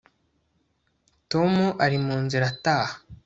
Tom ari mu nzira ataha